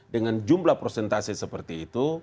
dengan jumlah prosentase seperti itu